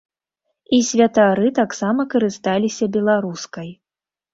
І святары таксама карысталіся беларускай.